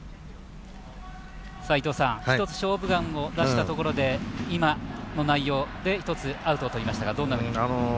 伊東さん、一つ「勝負眼」を出したところで今の内容で１つアウトをとりましたがどんなふうに見ていますか？